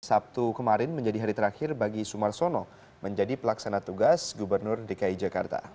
sabtu kemarin menjadi hari terakhir bagi sumarsono menjadi pelaksana tugas gubernur dki jakarta